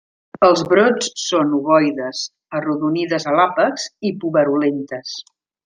Els brots són ovoides, arrodonides a l'àpex i puberulentes.